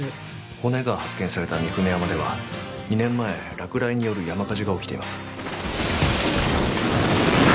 骨が発見された三舟山では２年前落雷による山火事が起きています。